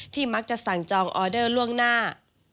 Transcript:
มักจะสั่งจองออเดอร์ล่วงหน้า